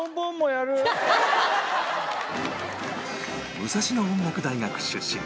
武蔵野音楽大学出身